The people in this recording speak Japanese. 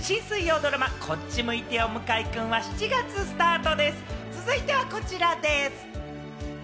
新水曜ドラマ『こっち向いてよ向井くん』は７月スタートです。